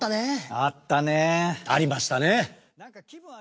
あったね。ありましたね。